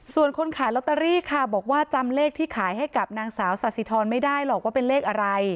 ส่วนคนขายลอตเตอรี่ค่ะบอกว่าจำเลขที่ขายให้กับนางสาวสาธิธรไม่ได้หรอกว่าเป็นเลขอะไร